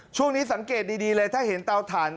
ช่วงนี้สังเกตดีเลยถ้าเห็นเตาถ่าน